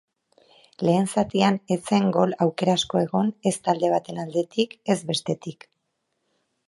Lehen zatian ez zen gol aukera asko egon ez talde baten aldetik ezbestetik.